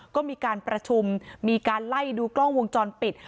ก็มีการประชุมมีการไล่ดูกล้องวงจรปิด